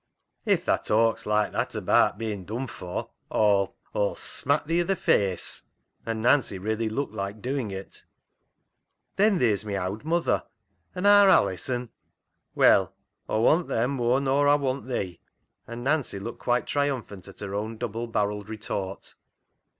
"If tha talks like that abaat bein' dun for, Aw'll — Aw'U smack thi i' th' faace," and Nancy really looked like doing it. " Then theer's my owd muther, and aar Alice, an —" Well, Aw want them mooar nor Aw want thee," and Nancy looked quite triumphant at her own double barreled retort.